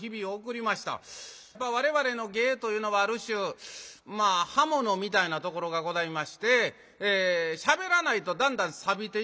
我々の芸というのはある種刃物みたいなところがございましてしゃべらないとだんだんさびていきますんでね